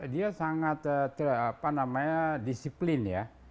dia sangat apa namanya disiplin ya